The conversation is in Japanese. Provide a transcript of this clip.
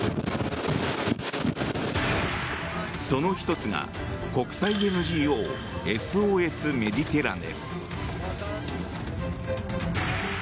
その１つが、国際ＮＧＯＳＯＳメディテラネ。